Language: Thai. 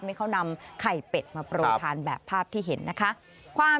นี่เขานำไข่เป็ดมาโปรยทานแบบภาพที่เห็นนะคะความ